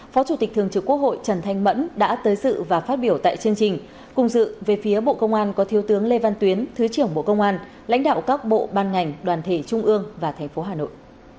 phó chủ tịch thường trực quốc hội trần thanh mẫn đã tới sự và phát biểu tại chương trình cùng dự về phía bộ công an có thiếu tướng lê văn tuyến thứ trưởng bộ công an lãnh đạo các bộ ban ngành đoàn thể trung ương và thành phố hà nội